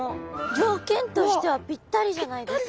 条件としてはピッタリじゃないですか？